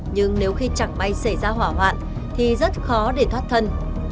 nhưng nếu khi chẳng may xảy ra hỏa hoạn thì rất khó để thoát thân